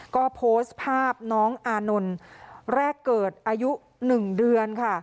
ก็โพสต์ภาพน้องอานนท์แรกเกิดอายุ๑เดือนค่ะ